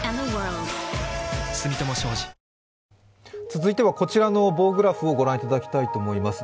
続いては、こちらの棒グラフを御覧いただきたいと思います。